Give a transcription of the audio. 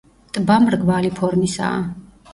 ტბა მრგვალი ფორმისაა.